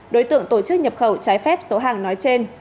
đối tượng tổ chức nhập khẩu trái phép số hàng nói trên